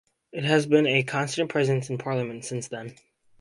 It has been a constant presence in parliament since then.